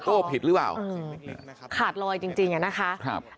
โลโก้ผิดหรือเปล่าขาดลอยจริงนะคะครับ